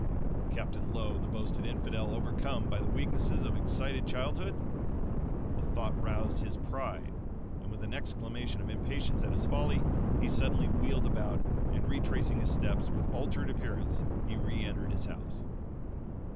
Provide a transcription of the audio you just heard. Captain Lowe, the boasted infidel overcome by the weakness of excited childhood! The thought roused his PRIDE and with an exclamation of impatience at his folly, he suddenly wheeled about, and retracing his steps, with altered appearance, he re entered his house.